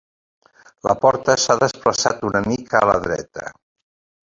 La porta s'ha desplaçat una mica a la dreta.